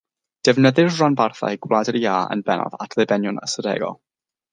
Defnyddir rhanbarthau Gwlad yr Iâ yn bennaf at ddibenion ystadegol.